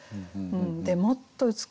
もっと美しいもの